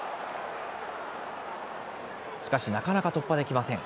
しかしなかなか突破できません。